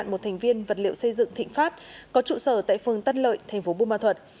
trí là một thành viên vật liệu xây dựng thịnh pháp có trụ sở tại phương tân lợi tp bông mo thuật